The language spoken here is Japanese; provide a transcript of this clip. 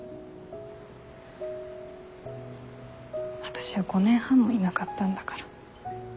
私は５年半もいなかったんだから。